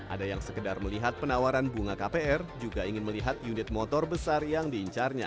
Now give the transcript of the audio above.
ada yang sekedar melihat penawaran bunga kpr juga ingin melihat unit motor besar yang diincarnya